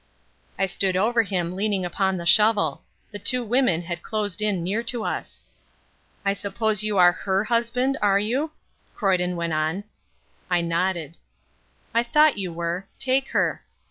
I stood over him leaning upon the shovel. The two women had closed in near to us. "I suppose you are her husband, are you?" Croyden went on. I nodded. "I thought you were. Take her."